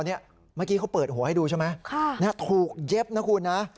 เมื่อกี้เขาเปิดหัวให้ดูใช่ไหมถูกเย็บนะคุณนะ